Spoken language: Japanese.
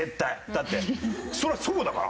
だってそれはそうだから。